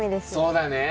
そうだね。